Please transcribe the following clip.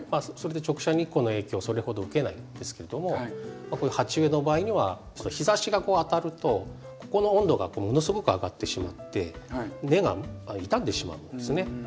それで直射日光の影響をそれほど受けないんですけどもこういう鉢植えの場合には日ざしが当たるとここの温度がものすごく上がってしまって根が傷んでしまうんですね。